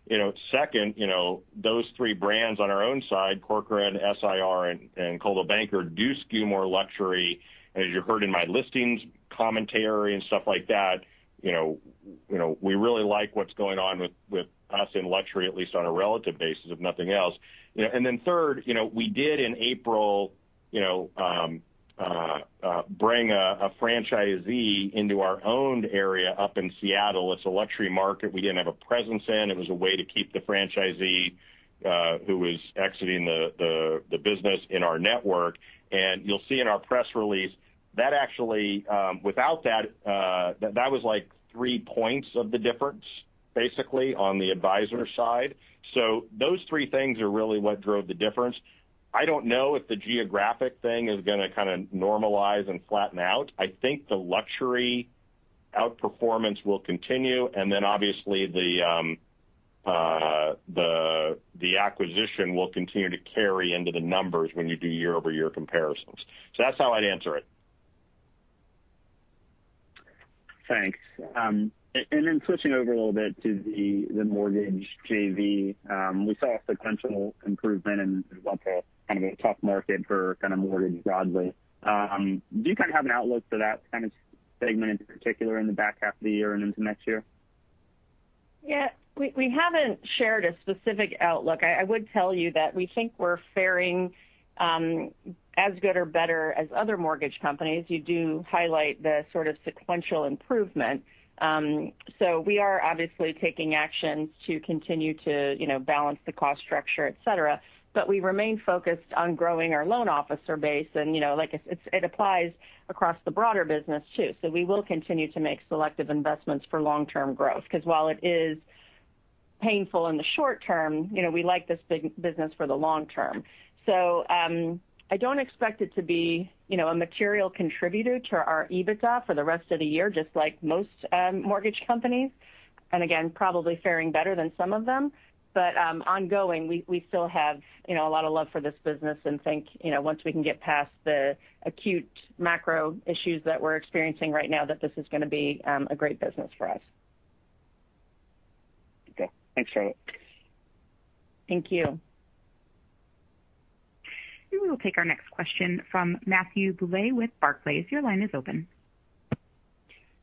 You know, second, you know, those three brands on our own side, Corcoran, SIR, and Coldwell Banker, do skew more luxury. As you heard in my listings commentary and stuff like that, you know, we really like what's going on with us in luxury, at least on a relative basis, if nothing else. You know, then third, we did in April bring a franchisee into our owned area up in Seattle. It's a luxury market we didn't have a presence in. It was a way to keep the franchisee who was exiting the business in our network. You'll see in our press release that actually, without that was like three points of the difference basically on the advisor side. Those three things are really what drove the difference. I don't know if the geographic thing is gonna kinda normalize and flatten out. I think the luxury outperformance will continue, and then obviously the acquisition will continue to carry into the numbers when you do year-over-year comparisons. That's how I'd answer it. Thanks. Then switching over a little bit to the mortgage JV. We saw a sequential improvement in what was kind of a tough market for kind of mortgage broadly. Do you kind of have an outlook for that kind of segment in particular in the back half of the year and into next year? Yeah. We haven't shared a specific outlook. I would tell you that we think we're faring as good or better as other mortgage companies. You do highlight the sort of sequential improvement. We are obviously taking actions to continue to, you know, balance the cost structure, et cetera, but we remain focused on growing our loan officer base, and, you know, like it applies across the broader business too. We will continue to make selective investments for long-term growth 'cause while it is painful in the short term, you know, we like this business for the long term. I don't expect it to be, you know, a material contributor to our EBITDA for the rest of the year, just like most mortgage companies, and again, probably faring better than some of them. Ongoing, we still have, you know, a lot of love for this business and think, you know, once we can get past the acute macro issues that we're experiencing right now, that this is gonna be a great business for us. Okay. Thanks, Charlotte. Thank you. We will take our next question from Matthew Bouley with Barclays. Your line is open.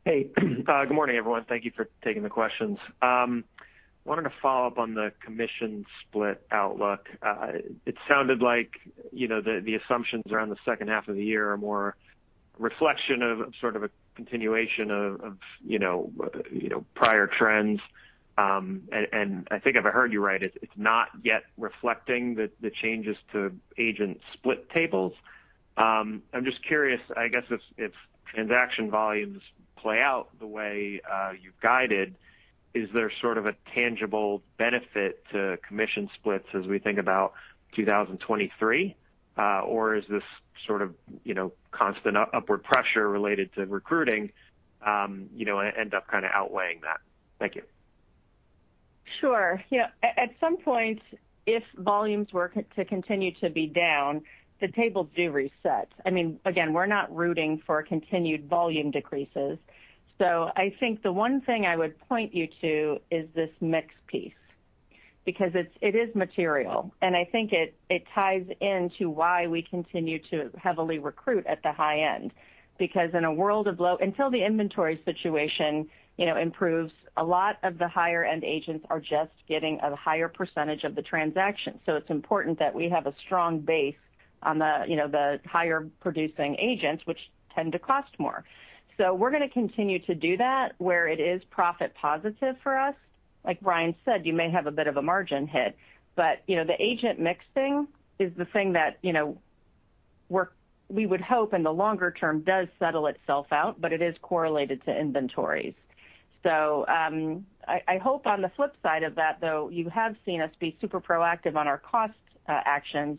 Hey. Good morning, everyone. Thank you for taking the questions. Wanted to follow up on the commission split outlook. It sounded like, you know, the assumptions around the H2 of the year are more a reflection of sort of a continuation of you know prior trends. I think if I heard you right, it's not yet reflecting the changes to agent split tables. I'm just curious, I guess if transaction volumes play out the way you guided, is there sort of a tangible benefit to commission splits as we think about 2023? Or is this sort of, you know, constant upward pressure related to recruiting you know end up kinda outweighing that? Thank you. Sure. You know, at some point, if volumes were to continue to be down, the tables do reset. I mean, again, we're not rooting for continued volume decreases. I think the one thing I would point you to is this mix piece because it's, it is material, and I think it ties into why we continue to heavily recruit at the high end. Because in a world of low, until the inventory situation, you know, improves, a lot of the higher end agents are just getting a higher percentage of the transaction. It's important that we have a strong base on the, you know, the higher producing agents, which tend to cost more. We're gonna continue to do that where it is profit positive for us. Like Ryan said, you may have a bit of a margin hit, but you know, the agent mixing is the thing that, you know, we would hope in the longer term does settle itself out, but it is correlated to inventories. So, I hope on the flip side of that, though, you have seen us be super proactive on our cost actions.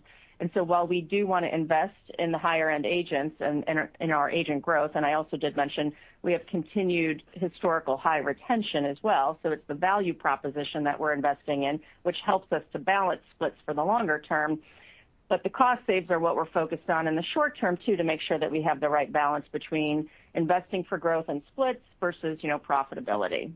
While we do wanna invest in the higher end agents and in our agent growth, and I also did mention we have continued historical high retention as well, so it's the value proposition that we're investing in, which helps us to balance splits for the longer term. The cost saves are what we're focused on in the short term too to make sure that we have the right balance between investing for growth and splits versus, you know, profitability.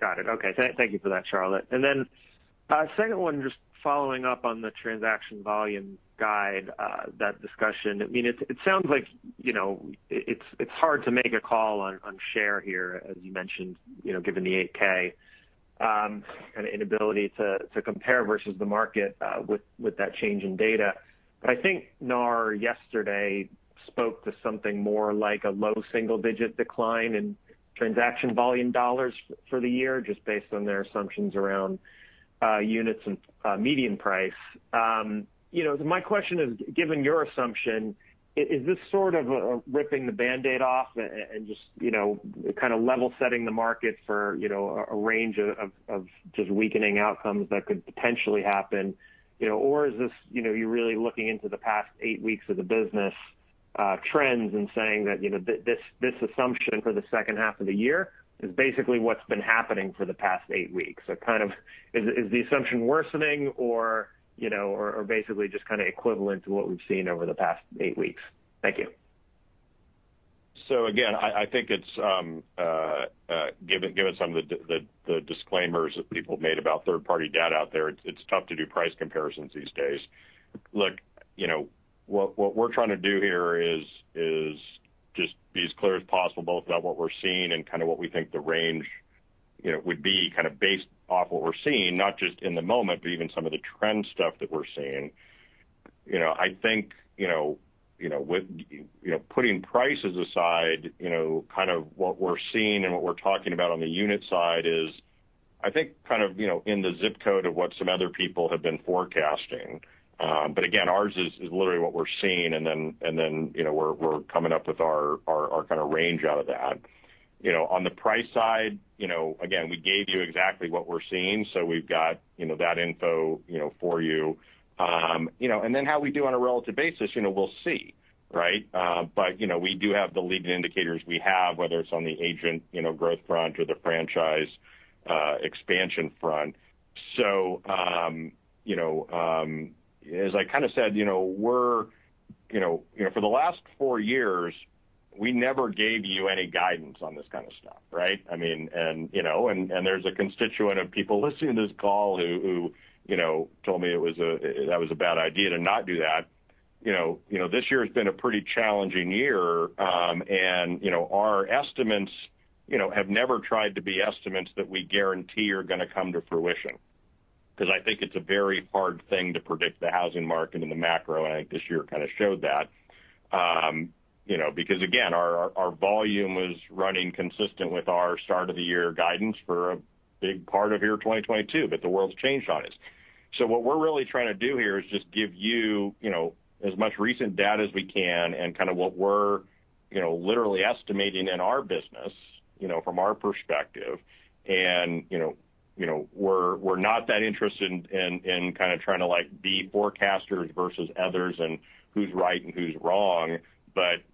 Got it. Okay. Thank you for that, Charlotte. Second one, just following up on the transaction volume guide, that discussion. I mean, it sounds like, you know, it's hard to make a call on share here, as you mentioned, you know, given the 8-K, kind of inability to compare versus the market, with that change in data. I think NAR yesterday spoke to something more like a low single digit decline in transaction volume dollars for the year just based on their assumptions around units and median price. You know, my question is, given your assumption, is this sort of ripping the Band-Aid off and just, you know, kind of level setting the market for, you know, a range of just weakening outcomes that could potentially happen? You know, or is this, you know, you're really looking into the past eight weeks of the business trends and saying that, you know, this assumption for the H2 of the year is basically what's been happening for the past eight weeks. Kind of is the assumption worsening or, you know, or basically just kind of equivalent to what we've seen over the past eight weeks? Thank you. Again, I think it's given some of the disclaimers that people have made about third-party data out there, it's tough to do price comparisons these days. Look, you know, what we're trying to do here is just be as clear as possible both about what we're seeing and kind of what we think the range, you know, would be kind of based off what we're seeing, not just in the moment, but even some of the trend stuff that we're seeing. You know, I think, you know, with putting prices aside, you know, kind of what we're seeing and what we're talking about on the unit side is I think kind of, you know, in the zip code of what some other people have been forecasting. Again, ours is literally what we're seeing, and then, you know, we're coming up with our kind of range out of that. You know, on the price side, you know, again, we gave you exactly what we're seeing, so we've got, you know, that info, you know, for you. How we do on a relative basis, you know, we'll see, right? You know, we do have the leading indicators we have, whether it's on the agent, you know, growth front or the franchise expansion front. As I kind of said, you know, for the last four years, we never gave you any guidance on this kind of stuff, right? I mean, you know, there's a constituent of people listening to this call who you know told me it was a bad idea to not do that. You know, this year has been a pretty challenging year, and you know, our estimates you know have never tried to be estimates that we guarantee are gonna come to fruition. 'Cause I think it's a very hard thing to predict the housing market in the macro, and I think this year kind of showed that. You know, because again, our volume was running consistent with our start of the year guidance for a big part of 2022, but the world's changed on us. What we're really trying to do here is just give you know, as much recent data as we can and kind of what we're, you know, literally estimating in our business, you know, from our perspective. You know, we're not that interested in kind of trying to like be forecasters versus others and who's right and who's wrong.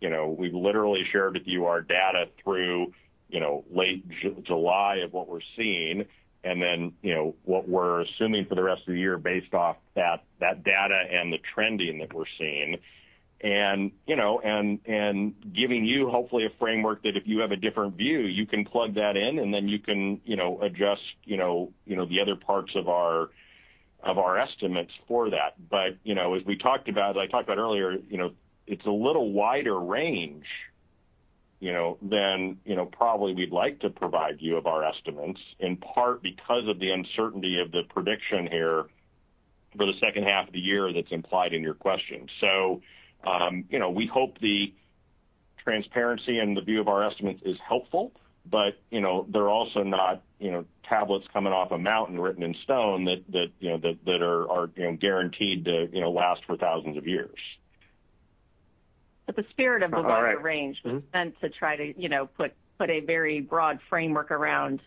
You know, we've literally shared with you our data through, you know, late July of what we're seeing. You know, what we're assuming for the rest of the year based off that data and the trending that we're seeing. Giving you hopefully a framework that if you have a different view, you can plug that in, and then you can, you know, adjust, you know, the other parts of our estimates for that. But, you know, as we talked about, as I talked about earlier, you know, it's a little wider range, you know, than, you know, probably we'd like to provide you of our estimates, in part because of the uncertainty of the prediction here for the H2 of the year that's implied in your question. So, you know, we hope the transparency and the view of our estimates is helpful, but, you know, they're also not, you know, tablets coming off a mountain written in stone that are guaranteed to last for thousands of years. The spirit of the wider range. All right. Mm-hmm was meant to try to, you know, put a very broad framework around,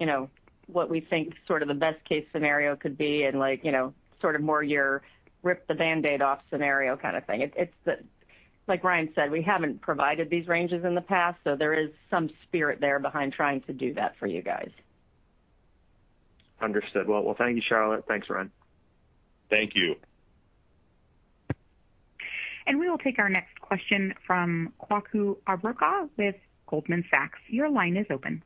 you know, what we think sort of the best case scenario could be and like, you know, sort of more your rip the Band-Aid off scenario kind of thing. It's the. Like Ryan said, we haven't provided these ranges in the past, so there is some spirit there behind trying to do that for you guys. Understood. Well, thank you, Charlotte. Thanks, Ryan. Thank you. We will take our next question from Kwaku Abrokwah with Goldman Sachs. Your line is open.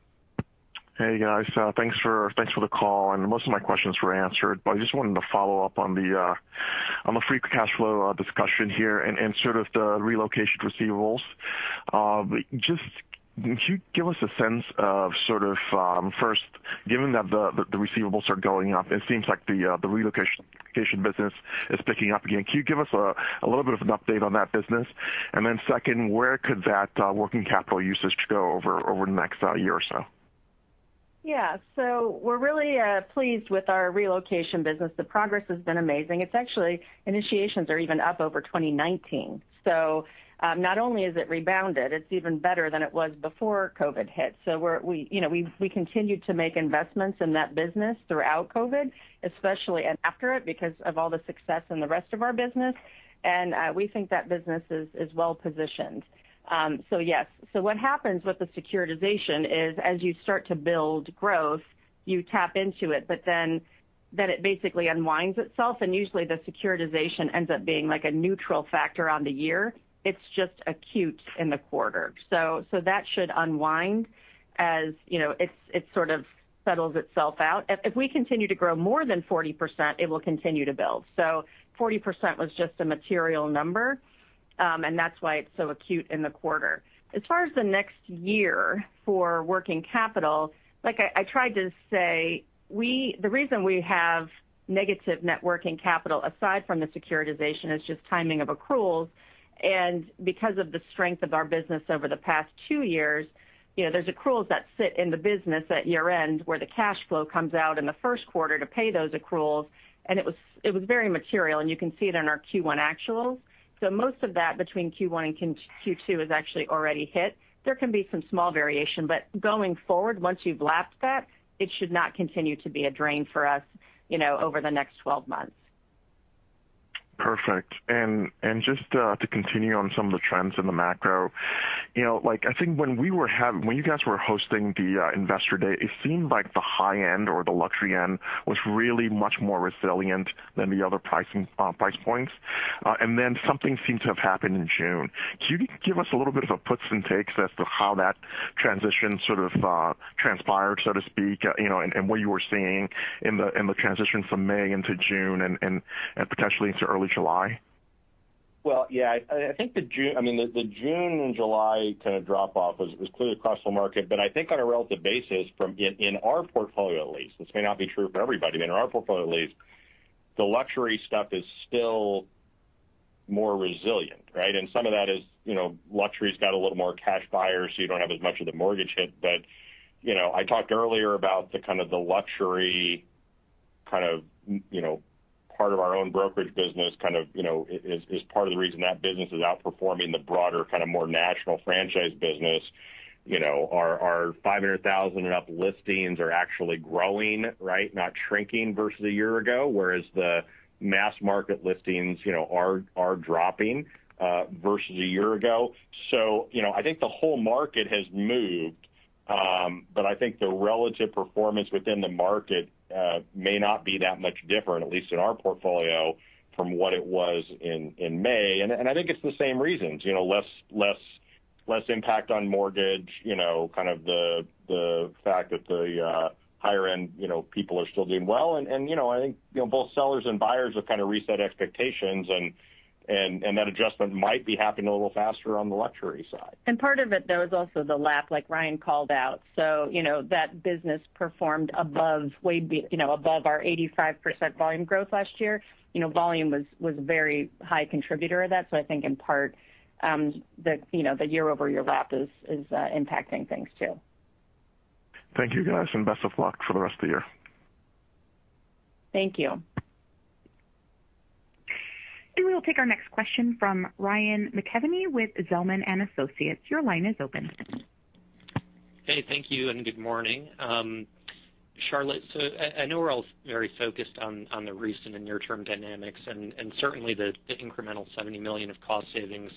Hey, guys. Thanks for the call, and most of my questions were answered. I just wanted to follow up on the free cash flow discussion here and sort of the relocation receivables. Just can you give us a sense of sort of first, given that the receivables are going up, it seems like the relocation business is picking up again. Can you give us a little bit of an update on that business? And then second, where could that working capital usage go over the next year or so? Yeah. We're really pleased with our relocation business. The progress has been amazing. It's actually initiations are even up over 2019. Not only is it rebounded, it's even better than it was before COVID hit. We continued to make investments in that business throughout COVID, especially and after it, because of all the success in the rest of our business. We think that business is well positioned. Yes. What happens with the securitization is as you start to build growth, you tap into it, but then it basically unwinds itself, and usually the securitization ends up being like a neutral factor on the year. It's just acute in the quarter. That should unwind as you know, it sort of settles itself out. If we continue to grow more than 40%, it will continue to build. 40% was just a material number, and that's why it's so acute in the quarter. As far as the next year for working capital, like I tried to say, the reason we have negative net working capital, aside from the securitization, is just timing of accruals. Because of the strength of our business over the past two years, you know, there's accruals that sit in the business at year-end, where the cash flow comes out in the first quarter to pay those accruals, and it was very material, and you can see it in our Q1 actuals. Most of that between Q1 and Q2 is actually already hit. There can be some small variation, but going forward, once you've lapped that, it should not continue to be a drain for us, you know, over the next 12 months. Perfect. Just to continue on some of the trends in the macro, you know, like, I think when you guys were hosting the Investor Day, it seemed like the high end or the luxury end was really much more resilient than the other pricing price points. Something seemed to have happened in June. Can you give us a little bit of a puts and takes as to how that transition sort of transpired, so to speak, you know, and what you were seeing in the transition from May into June and potentially into early July? Well, yeah, I think the June and July kind of drop off was clearly across the market. I think on a relative basis from in our portfolio at least, this may not be true for everybody, but in our portfolio at least, the luxury stuff is still more resilient, right? Some of that is, you know, luxury's got a little more cash buyers, so you don't have as much of the mortgage hit. You know, I talked earlier about the luxury kind of part of our own brokerage business kind of is part of the reason that business is outperforming the broader kind of more national franchise business. You know, our 500,000 and up listings are actually growing, right, not shrinking versus a year ago, whereas the mass market listings, you know, are dropping versus a year ago. You know, I think the whole market has moved, but I think the relative performance within the market may not be that much different, at least in our portfolio, from what it was in May. I think it's the same reasons. You know, less impact on mortgage. You know, kind of the fact that the higher end, you know, people are still doing well. You know, I think both sellers and buyers have kind of reset expectations and that adjustment might be happening a little faster on the luxury side. Part of it there is also the lap, like Ryan called out. You know, that business performed above, you know, above our 85% volume growth last year. You know, volume was a very high contributor of that. I think in part, the you know the year-over-year lap is impacting things too. Thank you, guys, and best of luck for the rest of the year. Thank you. We will take our next question from Ryan McKeveny with Zelman & Associates. Your line is open. Hey. Thank you, and good morning. Charlotte, so I know we're all very focused on the recent and near-term dynamics, and certainly the incremental $70 million of cost savings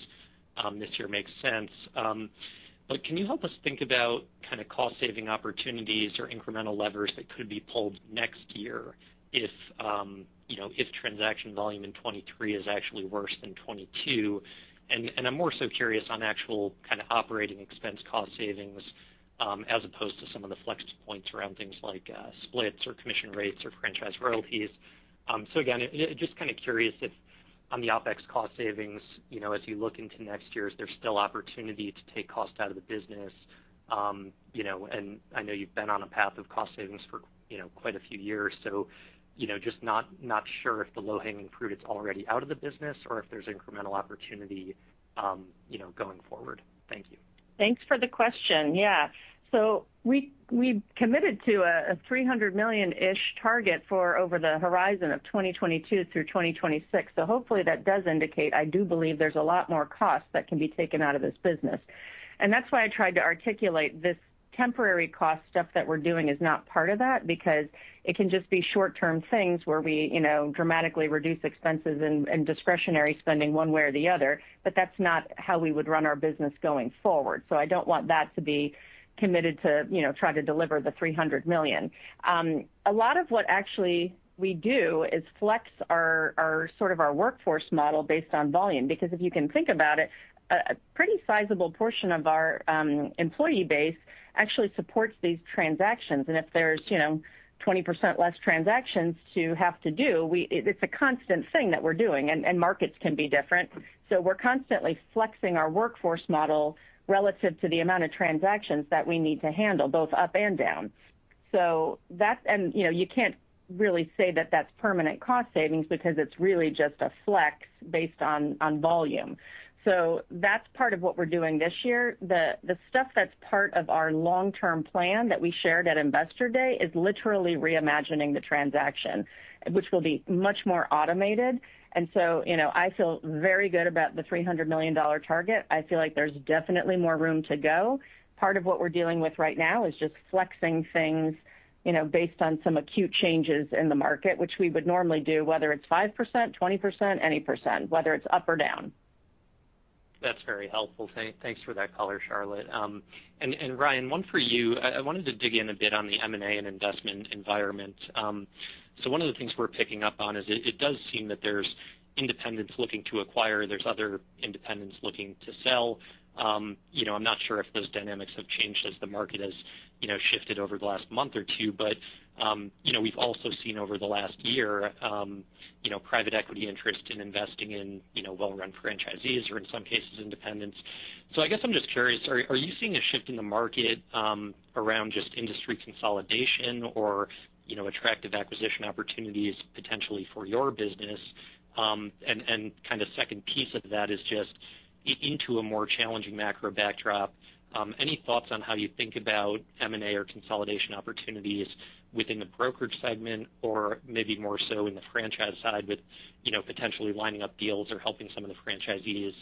this year makes sense. But can you help us think about kind of cost saving opportunities or incremental levers that could be pulled next year if you know, if transaction volume in 2023 is actually worse than 2022? I'm more so curious on actual kind of operating expense cost savings, as opposed to some of the flex points around things like splits or commission rates or franchise royalties. So again, just kind of curious if on the OpEx cost savings, you know, as you look into next year, is there still opportunity to take cost out of the business? You know, I know you've been on a path of cost savings for, you know, quite a few years, so, you know, just not sure if the low-hanging fruit is already out of the business or if there's incremental opportunity, you know, going forward. Thank you. Thanks for the question. Yeah. We committed to a $300 million-ish target over the horizon of 2022 through 2026. Hopefully that does indicate. I do believe there's a lot more cost that can be taken out of this business. That's why I tried to articulate this temporary cost stuff that we're doing is not part of that, because it can just be short-term things where we, you know, dramatically reduce expenses and discretionary spending one way or the other. That's not how we would run our business going forward. I don't want that to be committed to, you know, try to deliver the $300 million. A lot of what actually we do is flex our sort of workforce model based on volume. Because if you can think about it, a pretty sizable portion of our employee base actually supports these transactions. If there's, you know, 20% less transactions to have to do, it's a constant thing that we're doing. Markets can be different. We're constantly flexing our workforce model relative to the amount of transactions that we need to handle, both up and down. That's, you know, you can't really say that that's permanent cost savings because it's really just a flex based on volume. That's part of what we're doing this year. The stuff that's part of our long-term plan that we shared at Investor Day is literally reimagining the transaction, which will be much more automated. You know, I feel very good about the $300 million target. I feel like there's definitely more room to go. Part of what we're dealing with right now is just flexing things, you know, based on some acute changes in the market, which we would normally do, whether it's 5%, 20%, any%, whether it's up or down. That's very helpful. Thanks for that color, Charlotte. Ryan, one for you. I wanted to dig in a bit on the M&A and investment environment. One of the things we're picking up on is it does seem that there's independents looking to acquire, there's other independents looking to sell. You know, I'm not sure if those dynamics have changed as the market has, you know, shifted over the last month or two. You know, we've also seen over the last year, you know, private equity interest in investing in, you know, well-run franchisees or in some cases, independents. I guess I'm just curious, are you seeing a shift in the market around just industry consolidation or, you know, attractive acquisition opportunities potentially for your business? Kind of second piece of that is just into a more challenging macro backdrop, any thoughts on how you think about M&A or consolidation opportunities within the brokerage segment or maybe more so in the franchise side with, you know, potentially lining up deals or helping some of the franchisees,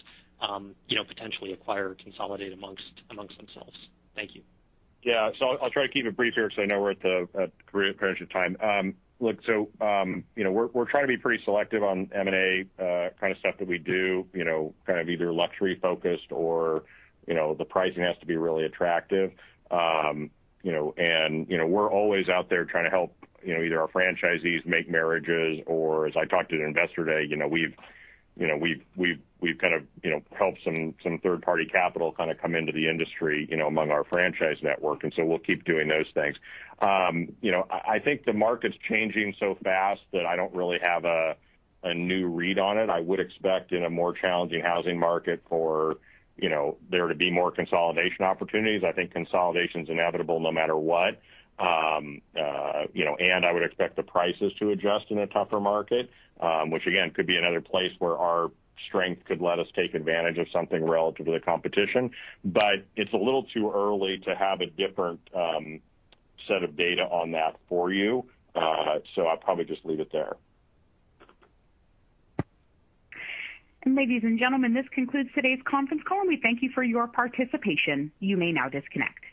you know, potentially acquire or consolidate amongst themselves? Thank you. Yeah. I'll try to keep it brief here because I know we're at the very edge of time. Look, you know, we're trying to be pretty selective on M&A kind of stuff that we do, you know, kind of either luxury focused or, you know, the pricing has to be really attractive. You know, we're always out there trying to help, you know, either our franchisees make mergers or as I talked about at Investor Day, you know, we've kind of helped some third-party capital kind of come into the industry, you know, among our franchise network, and we'll keep doing those things. You know, I think the market's changing so fast that I don't really have a new read on it. I would expect in a more challenging housing market for, you know, there to be more consolidation opportunities. I think consolidation is inevitable no matter what. You know, I would expect the prices to adjust in a tougher market, which again, could be another place where our strength could let us take advantage of something relative to the competition. It's a little too early to have a different, set of data on that for you. I'll probably just leave it there. Ladies and gentlemen, this concludes today's conference call, and we thank you for your participation. You may now disconnect.